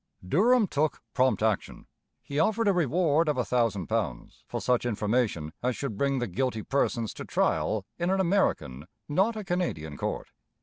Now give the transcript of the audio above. Durham took prompt action. He offered a reward of a thousand pounds for such information as should bring the guilty persons to trial in an American, not a Canadian, court.